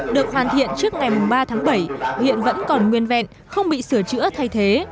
được hoàn thiện trước ngày ba tháng bảy hiện vẫn còn nguyên vẹn không bị sửa chữa thay thế